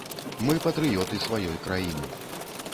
Мы патрыёты сваёй краіны.